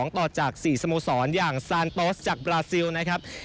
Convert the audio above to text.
ต่อจาก๔สโมสรอย่างซานโตสจากบราซิลนะครับ